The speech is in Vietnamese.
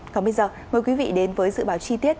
còn bây giờ mời quý vị đến với dự báo chi tiết